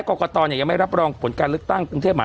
กว่ากว่าตอนเนี้ยยังไม่รับรองผลการลึกตั้งตรงเทพหมา